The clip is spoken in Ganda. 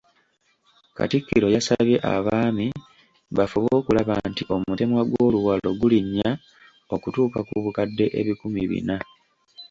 Katikkiro yasabye Abaami bafube okulaba nti omutemwa gw'oluwalo gulinnya okutuuka ku bukadde ebikumi bina.